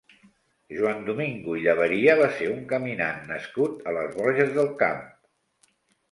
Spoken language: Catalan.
Joan Domingo i Llaberia va ser un caminant nascut a les Borges del Camp.